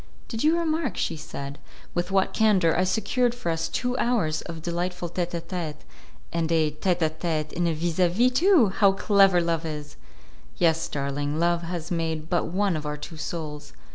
"Did you remark," she said, "with what candour I secured for us two hours of delightful 'tete a tete', and a 'tete a tete' in a 'vis a vis', too! How clever Love is!" "Yes, darling, Love has made but one of our two souls.